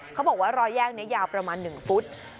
เขาบอกว่ารอยแยกนี้ยาวประมาณ๑ฟุต